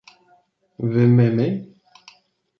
Vy Mimi?